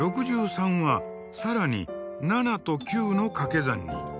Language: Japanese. ６３は更に７と９のかけ算に。